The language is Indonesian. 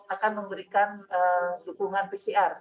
akan memberikan dukungan pcr